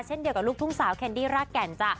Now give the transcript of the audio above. เช่นเดียวกับลูกทุ่งสาวแคนดี้รากแก่นจ้ะ